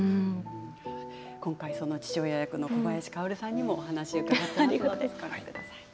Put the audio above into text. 今回父親役の小林薫さんにもお話を伺っています。